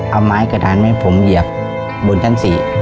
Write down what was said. เอาไม้กระดานมาให้ผมเหยียบบนชั้น๔